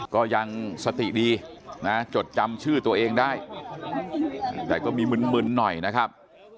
ก็ยังสติดีนะจดจำชื่อตัวเองได้แต่ก็มีมึนหน่อยนะครับ